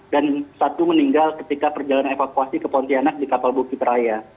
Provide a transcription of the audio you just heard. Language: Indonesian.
dan satu meninggal ketika perjalanan evakuasi ke pontianak di kapal bukit raya